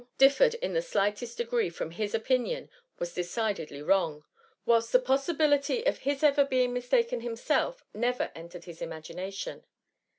148 differed in the slightest degree from his opinion, was decidedly wrong, whilst the possibility of his ever being mistaken himself never entered his imagination.